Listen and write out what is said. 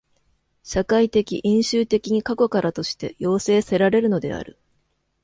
社会的因襲的に過去からとして要請せられるのである。